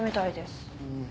うん。